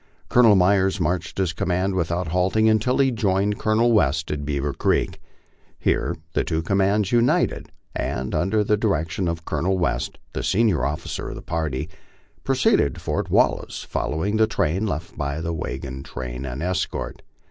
Colonel Myers marched his command without halting until he joined Colonel West at Beaver Creek. Here the two commands united, and under the direction of Colonel West , the senior officer of the party, proceeded toward Fort Wallace, follow ing the trail left by the wagon train and escort.